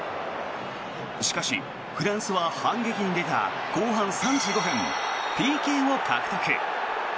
しかし、フランスは反撃に出た後半３５分ＰＫを獲得。